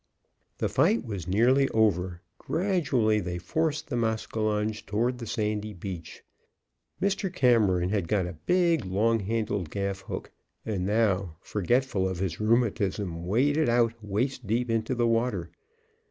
The fight was nearly over. Gradually they forced the maskinonge toward the sandy beach. Mr. Cameron had got a big, long handled gaff hook, and now, forgetful of his rheumatism, waded out waist deep into the water.